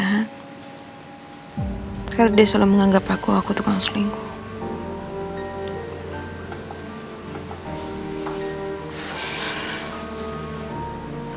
setiap kali dia selalu menganggap aku aku tukang selingkuh